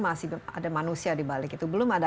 masih ada manusia dibalik itu belum ada